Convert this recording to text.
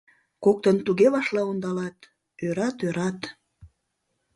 Коктын туге вашла ондалат — ӧрат, ӧрат.